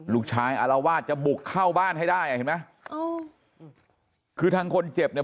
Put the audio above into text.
อารวาสจะบุกเข้าบ้านให้ได้อ่ะเห็นไหมอ๋อคือทางคนเจ็บเนี่ย